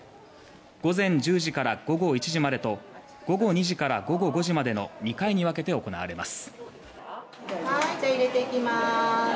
午前１０時から午後１時までと午後２時から午後５時までの２回に分けて行われます。